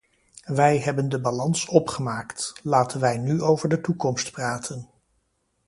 Wij hebben de balans opgemaakt, laten wij nu over de toekomst praten.